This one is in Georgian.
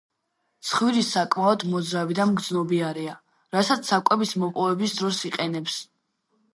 ცხვირი საკმაოდ მოძრავი და მგრძნობიარეა, რასაც საკვების მოპოვების დროს იყენებს.